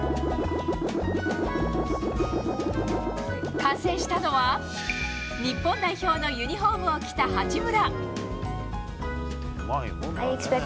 完成したのは日本代表のユニホームを着た八村。